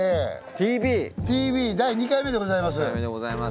ＴＶ第２回目でございます。